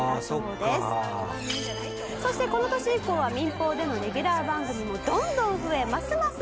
「そしてこの年以降は民放でのレギュラー番組もどんどん増えますます